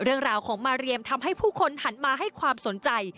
เรื่องราวของมาเรียมทำให้ผู้คนหันมาให้ความสนใจ